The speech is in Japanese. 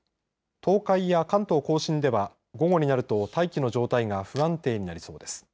東海や関東甲信では午後になると大気の状態が不安定になりそうです。